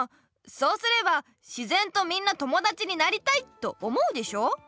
そうすれば自然とみんな友だちになりたいと思うでしょ？